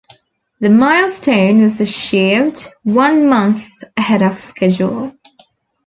The milestone was achieved one month ahead of schedule.